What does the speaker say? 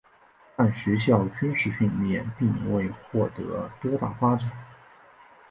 但学校军事训练并未获得多大发展。